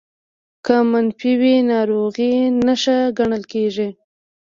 که منفي وي ناروغۍ نښه ګڼل کېږي